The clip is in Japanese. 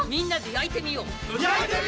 焼いてみよう！